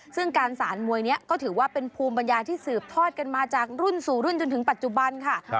ซึ่งการสารมวยนี้ก็ถือว่าเป็นภูมิปัญญาที่สืบทอดกันมาจากรุ่นสู่รุ่นจนถึงปัจจุบันค่ะ